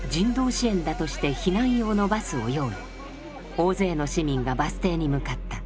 大勢の市民がバス停に向かった。